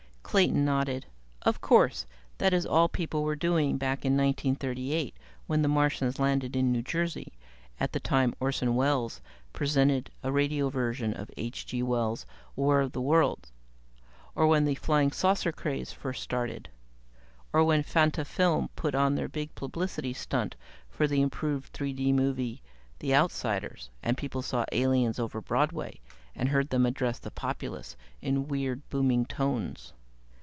Clayton nodded. "Of course. That is all people were doing back in 1938 when the Martians landed in New Jersey, at the time Orson Welles presented a radio version of H. G. Wells' 'War of the Worlds'. Or when the 'Flying Saucer' craze first started. Or when Fantafilm put on their big publicity stunt for the improved 3 D movie, 'The Outsiders', and people saw the aliens over Broadway and heard them address the populace in weird, booming tones.